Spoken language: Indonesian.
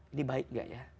ini baik gak ya